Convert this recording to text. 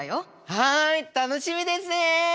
はい楽しみですね。